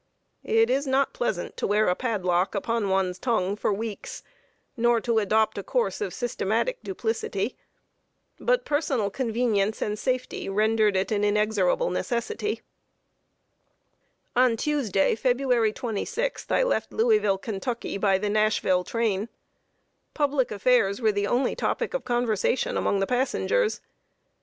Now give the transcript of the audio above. It is not pleasant to wear a padlock upon one's tongue, for weeks, nor to adopt a course of systematic duplicity; but personal convenience and safety rendered it an inexorable necessity. [Sidenote: A RIDE THROUGH KENTUCKY.] On Tuesday, February 26th, I left Louisville, Kentucky, by the Nashville train. Public affairs were the only topic of conversation among the passengers.